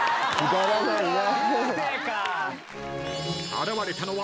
［現れたのは］